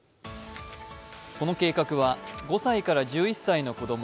この計画は５歳から１１歳の子ども